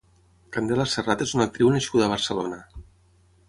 Candela Serrat és una actriu nascuda a Barcelona.